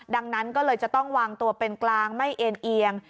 ดังนั้นก็เลยจะต้องวางตัวเป็นกลางไม่เอ็นเอียง